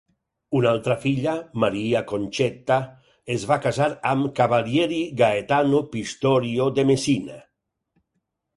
Una altra filla, Maria Concetta, es va casar amb Cavaliere Gaetano Pistorio de Messina.